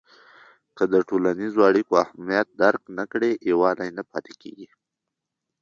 که د ټولنیزو اړیکو اهمیت درک نه کړې، یووالی نه پاتې کېږي.